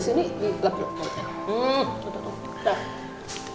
sini gelap dong